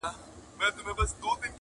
چي عطار دوکان ته راغی ډېر خپه سو٫